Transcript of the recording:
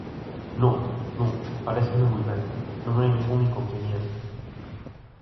Non, non, paréceme moi ben, non hai ningún inconveniente.